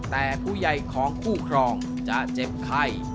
แต่ผู้ใหญ่ของคู่ครองจะเจ็บไข้